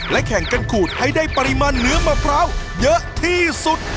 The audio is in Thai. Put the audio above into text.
แข่งกันขูดให้ได้ปริมาณเนื้อมะพร้าวเยอะที่สุด